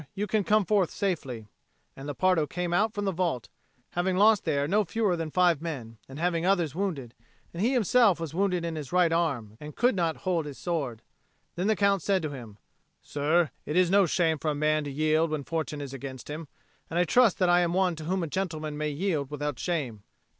You can come forth safely." And Lepardo came out from the vault, having lost there no fewer than five men, and having others wounded; and he was himself wounded in his right arm and could not hold his sword. Then the Count said to him, "Sir, it is no shame for a man to yield when fortune is against him. And I trust that I am one to whom a gentleman may yield without shame.